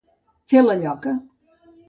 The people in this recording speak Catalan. Fer la lloca.